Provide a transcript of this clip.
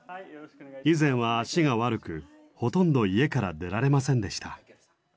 以前は足が悪くほとんど家から出られませんでした。